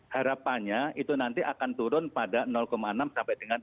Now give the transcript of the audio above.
harapannya itu nanti akan turun pada enam sampai dengan tiga puluh